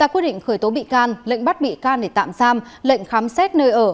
quy định khởi tố bị can lệnh bắt bị can để tạm giam lệnh khám xét nơi ở